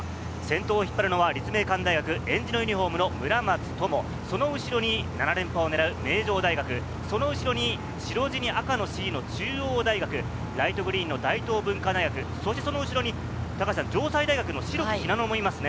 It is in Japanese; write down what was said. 先頭を引っ張るのは立命館大学、えんじのユニホームの村松灯、その後ろに７連覇を狙う名城大学、その後ろに白地に赤の「Ｃ」の中央大学、ライトグリーンの大東文化大学、その後ろに城西大学の白木ひなのもいますね。